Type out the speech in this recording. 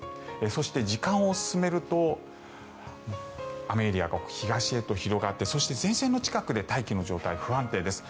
そして時間を進めると雨エリアが東へと広がってそして、前線の近くで大気の状態は不安定です。